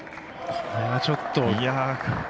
これはちょっと。